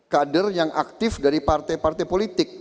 kader yang aktif dari partai partai politik